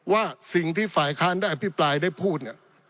ว่าสิ่งที่ฝ่ายค้านได้อภิปรายได้พูดเนี่ย